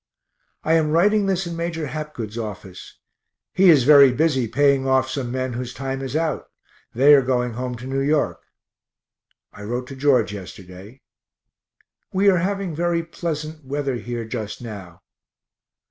I am writing this in Major Hapgood's office. He is very busy paying off some men whose time is out; they are going home to New York. I wrote to George yesterday. We are having very pleasant weather here just now.